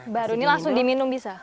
baru ini langsung diminum bisa